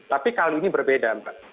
tapi kali ini berbeda mbak